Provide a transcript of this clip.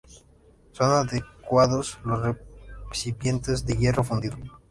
Son adecuados los recipientes de hierro fundido.